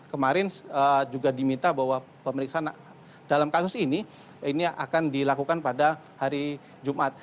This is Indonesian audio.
kemarin juga diminta bahwa pemeriksaan dalam kasus ini ini akan dilakukan pada hari jumat